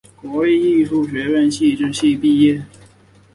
国立艺术学院戏剧系毕业。